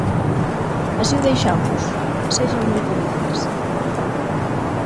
Así o deixamos, sexan moi felices.